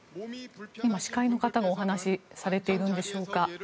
今、司会の方がお話しされてるんでしょうか。